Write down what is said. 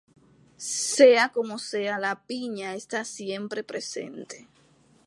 Sea como sea la piña está siempre presente.